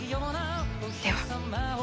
では。